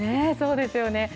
そうですよね。